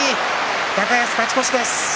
高安、勝ち越しです。